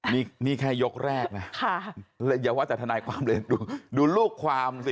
นี่แค่ยกแรกนะอย่าว่าแต่ทนายความเลยดูลูกความสิ